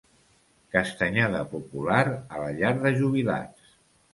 Castanyada popular a la Llar de Jubilats.